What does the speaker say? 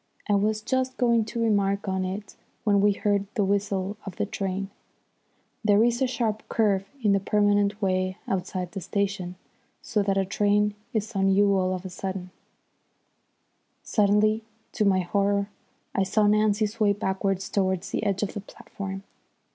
I was just going to remark on it when we heard the whistle of the train. There is a sharp curve in the permanent way outside the station, so that a train is on you all of a sudden. Suddenly to my horror I saw Nancy sway backwards towards the edge of the platform.